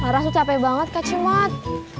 rasu capek banget kak cimot